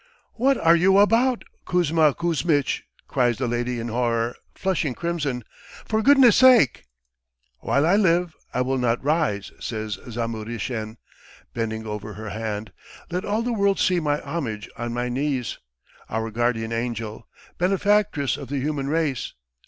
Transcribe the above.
"What are you about, Kuzma Kuzmitch?" cries the lady in horror, flushing crimson. "For goodness sake!" "While I live I will not rise," says Zamuhrishen, bending over her hand. "Let all the world see my homage on my knees, our guardian angel, benefactress of the human race!